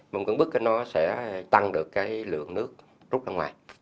bơm cứng bức nó sẽ tăng được cái lượng nước rút ra ngoài